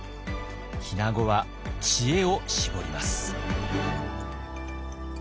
日名子は知恵を絞ります。